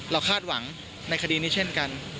คาดหวังในคดีนี้เช่นกัน